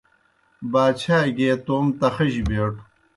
باچھا گیے توموْ تخِجیْ بیٹوْ۔